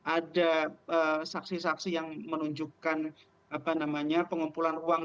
ada saksi saksi yang menunjukkan pengumpulan uang